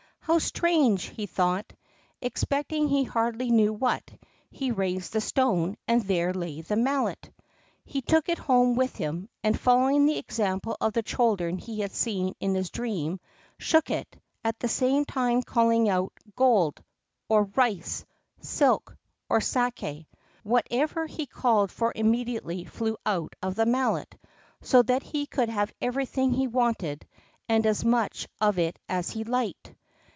"How strange!" he thought, expecting he hardly knew what; he raised the stone, and there lay the Mallet! He took it home with him, and, following the example of the children he had seen in his dream, shook it, at the same time calling out, "Gold" or "Rice," "Silk" or "Saké." Whatever he called for immediately flew out of the Mallet, so that he could have everything he wanted, and as much of it as he liked.